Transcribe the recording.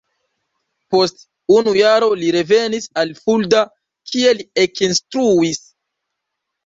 Post unu jaro li revenis al Fulda kie li ekinstruis.